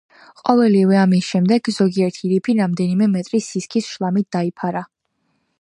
ყოველივე ამის შემდეგ, ზოგიერთი რიფი რამდენიმე მეტრის სისქის შლამით დაიფარა.